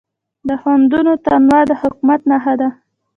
د خوندونو تنوع د حکمت نښه ده.